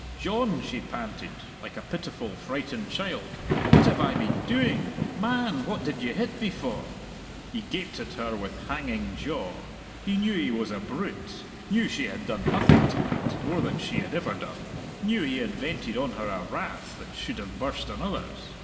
"John," she panted, like a pitiful frightened child, "what have I been doing?... Man, what did you hit me for?" He gaped at her with hanging jaw. He knew he was a brute knew she had done nothing to night more than she had ever done knew he had vented on her a wrath that should have burst on others.